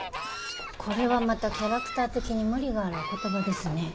これはまたキャラクター的に無理があるお言葉ですね。